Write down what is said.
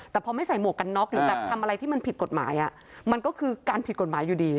แต่พอไม่ใส่หมวกกันน็อกหรือแบบทำอะไรที่มันผิดกฎหมายมันก็คือการผิดกฎหมายอยู่ดี